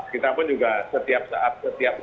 kita pun juga setiap saat setiap